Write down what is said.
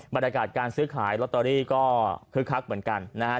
บรรยากาศการซื้อขายลอตเตอรี่ก็คึกคักเหมือนกันนะฮะ